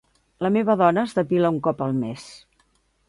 La meva dona es depila un cop al mes.